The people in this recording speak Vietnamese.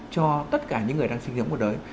cho tất cả những người đang sinh dưỡng của đời